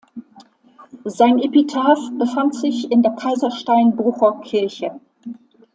Sein Epitaph befand sich in der Kaisersteinbrucher Kirche.